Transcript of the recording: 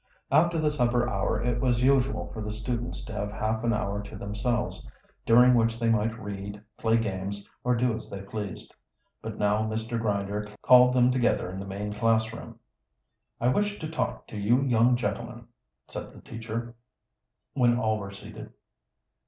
After the supper hour it was usual for the students to have half an hour to themselves, during which they might read, play games, or do as they pleased. But now Mr. Grinder called them together in the main classroom. "I wish to talk to you young gentlemen," said the teacher, when all were seated.